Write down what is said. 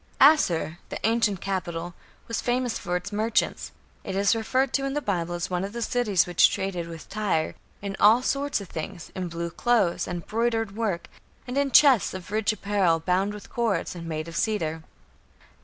" Asshur, the ancient capital, was famous for its merchants. It is referred to in the Bible as one of the cities which traded with Tyre "in all sorts of things, in blue clothes, and broidered work, and in chests of rich apparel, bound with cords, and made of cedar".